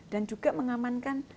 dan juga mengamankan